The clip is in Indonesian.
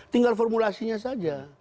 tinggal formulasinya saja